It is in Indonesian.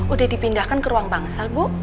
udah dipindahkan ke ruang bangsa bu